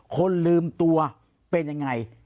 คนลืมตัวเป็นยังไง